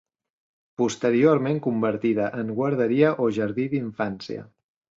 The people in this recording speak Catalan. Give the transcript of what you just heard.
Posteriorment convertida en guarderia o jardí d'infància.